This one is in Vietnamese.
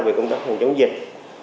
về công tác phòng chống dịch